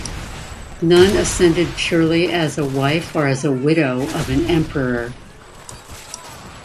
None ascended purely as a wife or as a widow of an emperor.